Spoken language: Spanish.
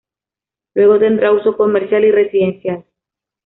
Luego tendrá uso comercial y residencial.